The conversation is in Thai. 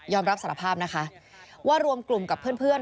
รับสารภาพนะคะว่ารวมกลุ่มกับเพื่อน